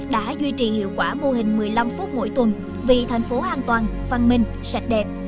đã duy trì hiệu quả mô hình một mươi năm phút mỗi tuần vì thành phố an toàn văn minh sạch đẹp